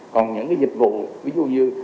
còn những cái dịch vụ ví dụ như